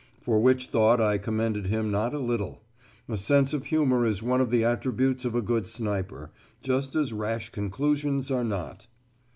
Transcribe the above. For which thought I commended him not a little: a sense of humour is one of the attributes of a good sniper, just as rash conclusions are not.